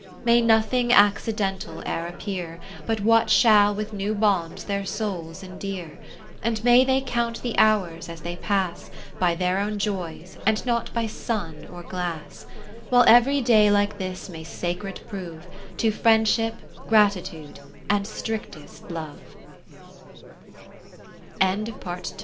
IV May nothing accidental e'er appear, But what shall with new bonds their souls endear ; 20 And may they count the hours as they pass, By their own joys, and not by sun or glass : While every day like this may sacred prove To Friendship, Gratitude, and